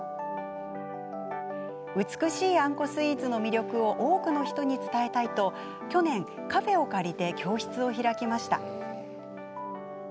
美しいあんこスイーツの魅力を多くの人に伝えたいと去年、カフェを借りて教室を開きました。